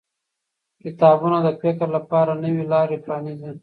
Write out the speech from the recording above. کتابونه د فکر لپاره نوې لارې پرانیزي